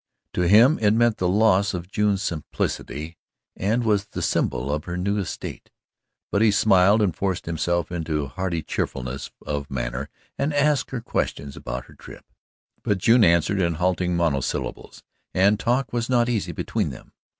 To him it meant the loss of June's simplicity and was the symbol of her new estate, but he smiled and forced himself into hearty cheerfulness of manner and asked her questions about her trip. But June answered in halting monosyllables, and talk was not easy between them.